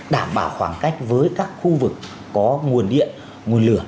đảm bảo khoảng cách với các khu vực có nguồn điện nguồn lửa